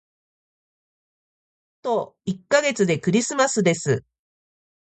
あと一ヶ月でクリスマスです。